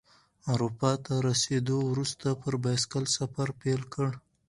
اروپا ته رسیدو وروسته پر بایسکل سفر پیل کړ.